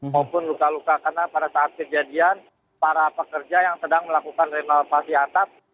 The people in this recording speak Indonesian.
maupun luka luka karena pada saat kejadian para pekerja yang sedang melakukan renovasi atap